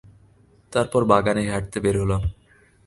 তারপর বাগানে হাঁটতে বের হলাম।